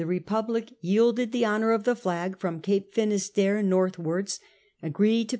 Republic yielded the honour of the flag from Cape Finisterre northwards, Charles 11.